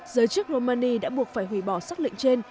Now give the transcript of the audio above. giới chức romani đã buộc phải hủy bỏ xác lệnh trên